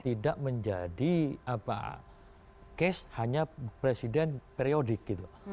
tidak menjadi case hanya presiden periodik gitu